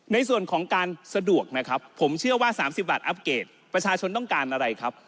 ในส่วนของการสะดวกนะครับผมเชื่อว่า๓๐บาทอัพเกตประชาชนต้องการอะไรครับ